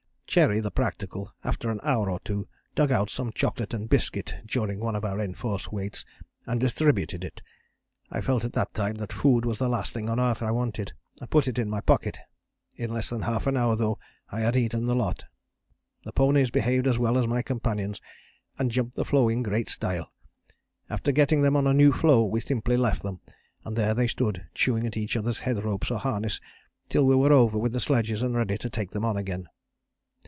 Cherry, the practical, after an hour or two dug out some chocolate and biscuit, during one of our enforced waits, and distributed it. I felt at that time that food was the last thing on earth I wanted, and put it in my pocket; in less than half an hour, though, I had eaten the lot. The ponies behaved as well as my companions, and jumped the floes in great style. After getting them on a new floe we simply left them, and there they stood chewing at each others' head ropes or harness till we were over with the sledges and ready to take them on again.